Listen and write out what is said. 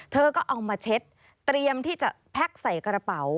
เธอก็เอามาเช็ดเตรียมที่จะแพ็คใส่กระเป๋า